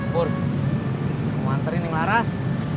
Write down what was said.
bu mau manterin neng laras